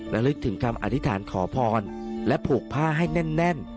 ลึกถึงคำอธิษฐานขอพรและผูกผ้าให้แน่น